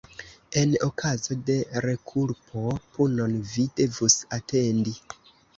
En okazo de rekulpo, punon vi devus atendi.